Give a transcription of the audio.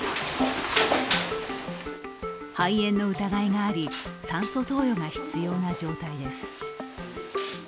肺炎の疑いがあり、酸素投与が必要な状態です。